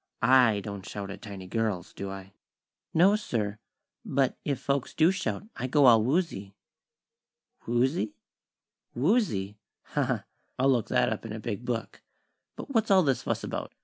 I don't shout at tiny girls, do I?" "No, sir; but if folks do shout, I go all woozy." "Woozy? Woozy? Ha, ha! I'll look that up in a big book. But what's all this fuss about?